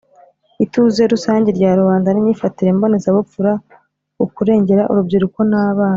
Ituze rusange rya rubanda n imyifatire mbonezabupfura ukurengera urubyiruko n abana